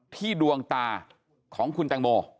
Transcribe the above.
ที่ดวงตาของคุณตังโม